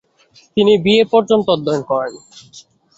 তিনি বিএ পর্যন্ত অধ্যয়ন করেন।